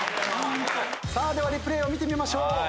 ではリプレーを見てみましょう。